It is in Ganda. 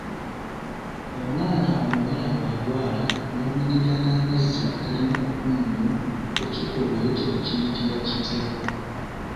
Omwana omuwala bwalwala n'omunyiga n'amazzi agalimu otunnyu, ekikolwa ekyo kiyitibwa kitya?